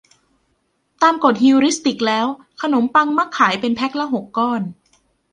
ตามกฏฮิวริสติกแล้วขนมปังมักขายเป็นแพคละหกก้อน